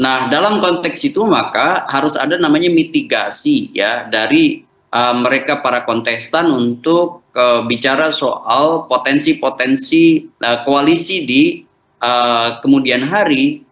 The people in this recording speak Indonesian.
nah dalam konteks itu maka harus ada namanya mitigasi ya dari mereka para kontestan untuk bicara soal potensi potensi koalisi di kemudian hari